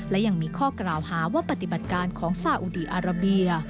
และยังมีข้อกล่าวหาว่าปฏิบัติการของซาอุดีอาราเบีย